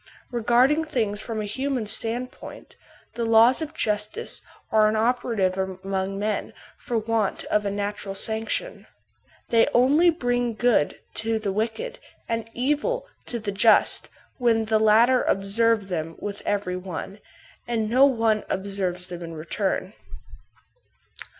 Regarding things from a human standpoint, the laws of justice are inoperative among men for want of a natural sanction; they only bring good to the wicked and evil to the just when the latter observe them with every one, and no one observes them in return.